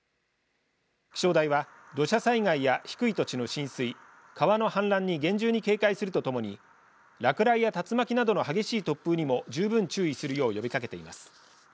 気象台は土砂災害や低い土地の浸水川の氾濫に厳重に警戒するとともに落雷や竜巻などの激しい突風にも十分注意するよう呼びかけています。